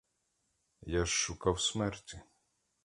Я ж шукав смерті.